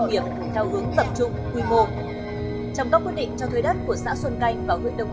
nghiệp theo hướng tập trung quy mô trong các quyết định cho thuê đất của xã xuân canh và huyện đông